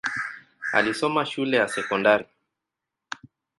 Alisoma shule ya sekondari.